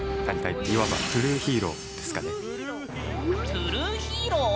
トゥルーヒーロー？